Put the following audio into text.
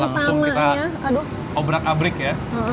langsung kita obrak abrik ya